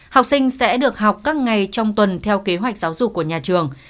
học sinh sẽ được học các ngày trong tuần theo kế hoạch giáo dục của nhà trường